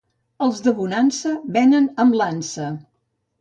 Els de Bonansa, venen amb l'ansa.